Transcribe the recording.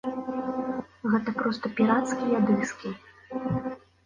Гэта проста пірацкія дыскі.